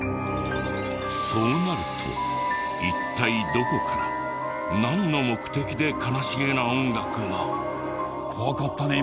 そうなると一体どこからなんの目的で悲しげな音楽が？怖かったね